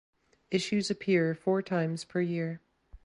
Issues appear four times per year.